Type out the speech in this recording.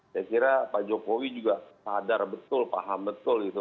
saya kira pak jokowi juga sadar betul paham betul itu